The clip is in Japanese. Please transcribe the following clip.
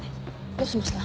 どうしました？